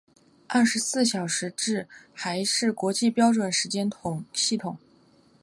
二十四小时制还是国际标准时间系统。